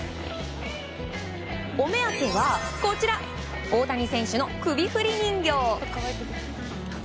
お目当てはこちら大谷選手の首振り人形。